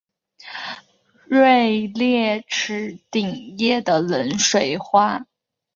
锐裂齿顶叶冷水花为荨麻科冷水花属下的一个变种。